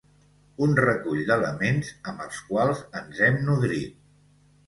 un recull d'elements amb els quals ens hem nodrit